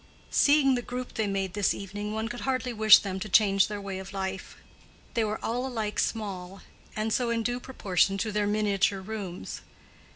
Seeing the group they made this evening, one could hardly wish them to change their way of life. They were all alike small, and so in due proportion to their miniature rooms.